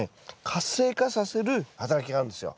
活性化させる働きがあるんですよ。